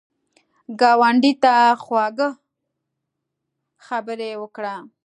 ګاونډي ته خواږه خبرې وکړه